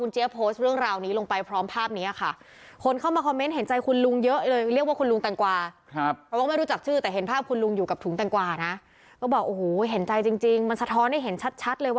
แต่อันนี้จะคือตารางถั่วรถกับข้าว